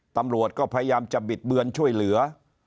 ตำรวจก็พยายามจะบิดเบือนช่วยเหลือ